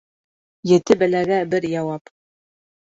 Ете бәләгә бер яуап.